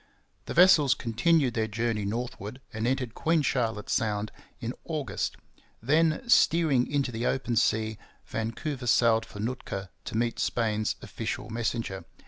The vessels continued their journey northward and entered Queen Charlotte Sound in August. Then, steering into the open sea, Vancouver sailed for Nootka to meet Spain's official messenger.